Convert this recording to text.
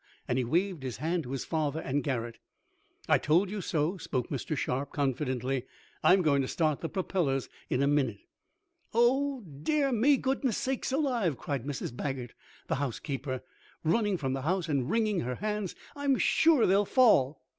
and he waved his hand to his father and Garret. "I told you so," spoke Mr. Sharp confidently. "I'm going to start the propellers in a minute." "Oh, dear me, goodness sakes alive!" cried Mrs. Baggert, the housekeeper, running from the house and wringing her hands. "I'm sure they'll fall!"